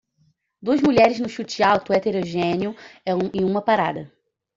Duas mulheres no chute alto heterogéneo em uma parada.